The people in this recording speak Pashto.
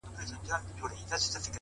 ستا سايه چي د کور مخ ته و ولاړه”